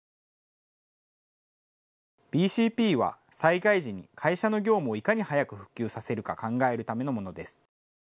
ＢＣＰは災害時に会社の業務をいかに早く復旧させるか考えるためのものです。